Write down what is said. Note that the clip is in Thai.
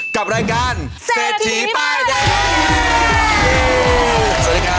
กับรายการเศรษฐีป้ายแดง